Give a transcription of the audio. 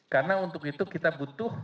karena untuk itu kita butuh